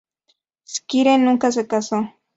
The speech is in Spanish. Squire nunca se casó.